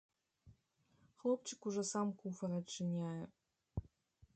Хлопчык ужо сам куфар адчыняе.